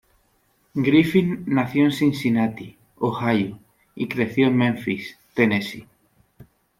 Griffin nació en Cincinnati, Ohio y creció en Memphis, Tennessee.